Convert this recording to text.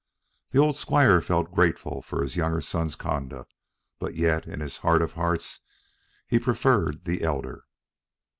The old squire felt grateful for his younger son's conduct, but yet in his heart of hearts he preferred the elder.